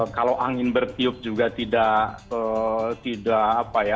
kalau angin bertiup juga tidak apa ya